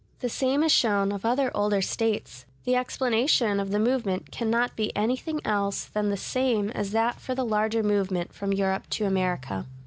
The same is shown of other older States. The explanation of the movement can not be anything else than the same as that for the larger movement from Europe to America.